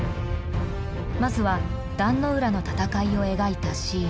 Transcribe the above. まずは壇ノ浦の戦いを描いたシーン。